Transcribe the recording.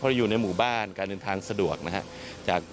เราอยู่ในหมู่บ้านการเดินทางสะดวกนะครับ